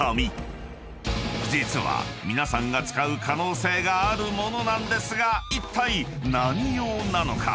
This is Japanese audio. ［実は皆さんが使う可能性がある物なんですがいったい何用なのか？］